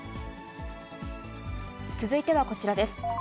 続いてはこちらです。